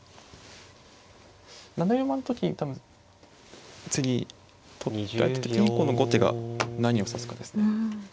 ７四馬の時多分次取った時今度後手が何を指すかですね。